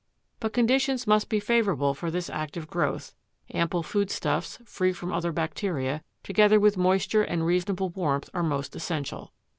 But conditions must be favorable for this active growth, ample food stuffs, free from other bacteria, together with moisture and reasonable warmth are most essential.